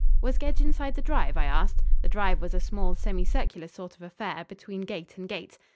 "Was Gedge inside the drive?" I asked. The drive was a small semicircular sort of affair, between gate and gate.